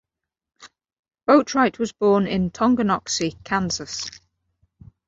Boatwright was born in Tonganoxie, Kansas.